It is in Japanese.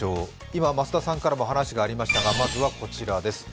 今、増田さんからも話がありましたが、まずはこちらです。